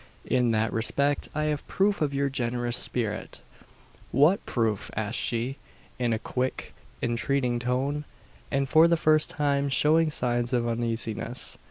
In that respect, I have proof of your generous spirit!" "What proof?" asked she, in a quick, entreating tone, and for the first time showing signs of uneasiness.